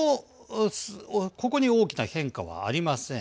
ここに大きな変化はありません。